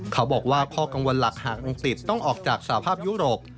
เขาบอกว่าข้อกังวลหลักหากลุงติดต้องออกจากสภาพยุโรป